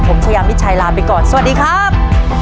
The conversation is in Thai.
ผมชายามิดชัยลาไปก่อนสวัสดีครับ